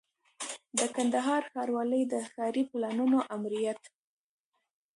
د کندهار ښاروالۍ د ښاري پلانونو آمریت